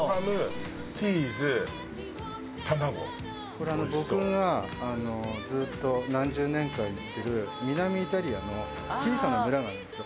これ僕がずっと何十年間行ってる南イタリアの小さな村があるんですよ。